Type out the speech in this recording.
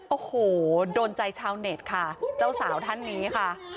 โอ้โหโดนใจชาวเน็ตค่ะเจ้าสาวท่านนี้ค่ะ